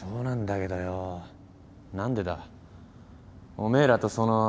おめえらとそのケル